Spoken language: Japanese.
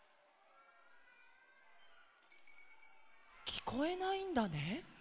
きこえないんだね？